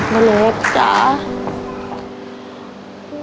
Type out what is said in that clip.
แม่เล็กจ้า